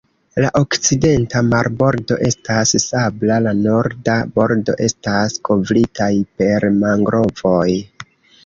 La okcidenta marbordo estas sabla, la norda bordo estas kovritaj per mangrovoj.